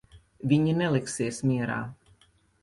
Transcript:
Viņi neliksies mierā.